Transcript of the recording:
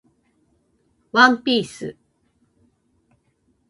ワンピース